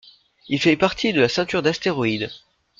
Il fait partie de la ceinture d'astéroïdes.